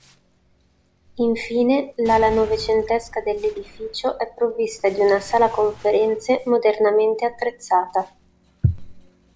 Infine l'ala novecentesca dell'edificio è provvista di una sala conferenze modernamente attrezzata.